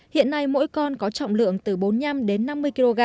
hiện nay mỗi con có trọng lượng từ bốn mươi năm đến năm mươi kg